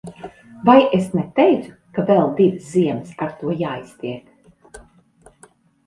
Vai es neteicu, ka vēl divas ziemas ar to jāiztiek.